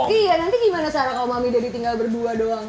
iya nanti gimana cara kalau mami jadi tinggal berdua doang